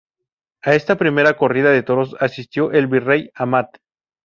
A esta primera corrida de toros asistió el virrey Amat.